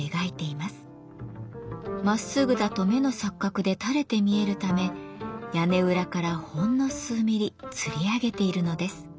まっすぐだと目の錯覚で垂れて見えるため屋根裏からほんの数ミリつり上げているのです。